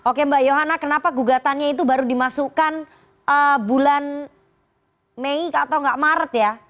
oke mbak yohana kenapa gugatannya itu baru dimasukkan bulan mei atau nggak maret ya